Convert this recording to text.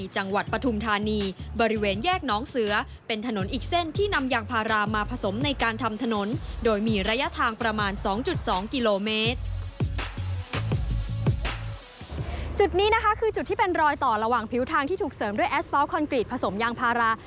จุดนี้นะคะคือจุดที่เป็นรอยต่อระหว่างผิวทางที่ถูกเสริมด้วยแอสเพาลคอนกรีตผสมยางพารา